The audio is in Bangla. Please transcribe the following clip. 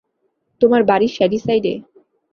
তোমার বাড়ি শ্যাডিসাইডে!